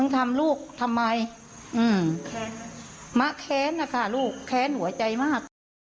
ทำลูกทำไมแค้นมะแค้นนะคะลูกแค้นหัวใจมาก